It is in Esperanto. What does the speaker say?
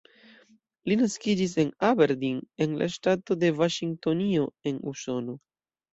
Li naskiĝis en Aberdeen, en la ŝtato de Vaŝingtonio, en Usono.